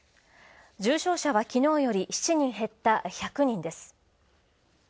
重症者は昨日より７人減った１００人です。